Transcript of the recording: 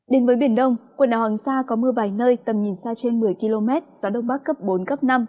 đến với biển đông quần đảo hoàng sa có mưa vài nơi tầm nhìn xa trên một mươi km gió đông bắc cấp bốn cấp năm